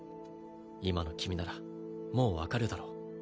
今の君ならもう分かるだろう？